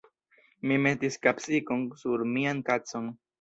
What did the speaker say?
Mi metis kapsikon sur mian kacon.